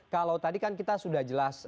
kalau tadi kan kita sudah jelas